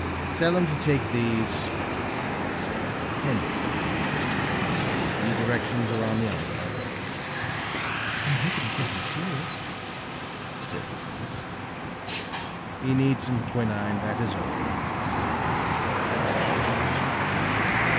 "Tell him to take these," he said, handing them to the old woman. "The directions are on the envelope." "I hope it is nothing serious," said his niece. "He needs some quinine, that is all," returned the physician.